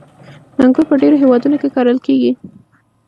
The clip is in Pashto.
• انګور په ډېرو هېوادونو کې کرل کېږي.